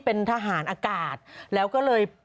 เป็นทหารอากาศแล้วก็เลย